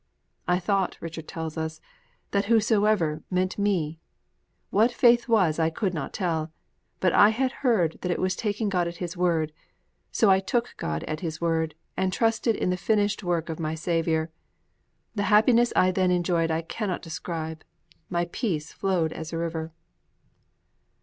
_' 'I thought,' Richard tells us, 'that whosoever meant me. What faith was, I could not tell; but I had heard that it was taking God at His word; and so I took God at His word and trusted in the finished work of my Saviour. The happiness I then enjoyed I cannot describe; my peace flowed as a river.'